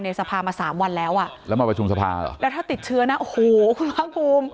ในสภามา๓วันแล้วแล้วถ้าติดเชื้อนะโหคุณพักภูมิ